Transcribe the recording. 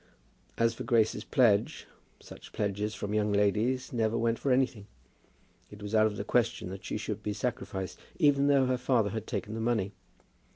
As for Grace's pledge, such pledges from young ladies never went for anything. It was out of the question that she should be sacrificed, even though her father had taken the money.